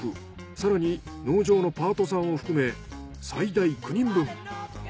更に農場のパートさんを含め最大９人分。